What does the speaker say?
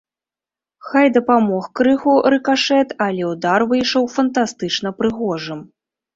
Хай і дапамог крыху рыкашэт, але ўдар выйшаў фантастычна прыгожым.